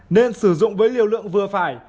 nên sử dụng với liều lượng vừa phải